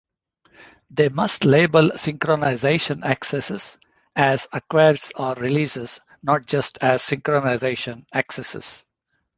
They must label synchronization accesses as acquires or releases, not just as synchronization accesses.